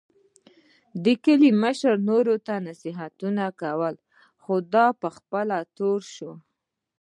د کلي مشر نورو ته نصیحتونه کول، خو دی په خپله تور شو.